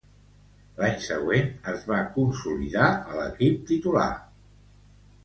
L'any següent, es va consolidar a l'equip titular.